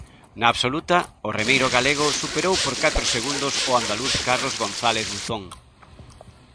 Na absoluta, o remeiro galego superou por catro segundos o andaluz Carlos González Buzón.